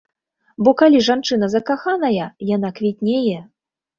Бо калі жанчына закаханая, яна квітнее.